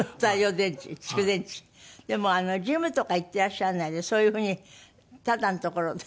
でもジムとか行ってらっしゃらないでそういう風にタダの所で。